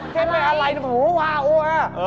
แค่ว่าอะไรหัวอาว